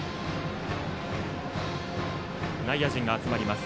内野陣が集まります。